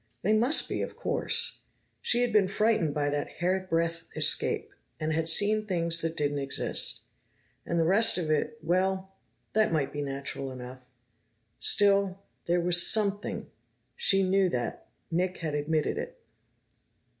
They must be, of course. She had been frightened by that hairbreadth escape, and had seen things that didn't exist. And the rest of it well, that might be natural enough. Still, there was something she knew that; Nick had admitted it.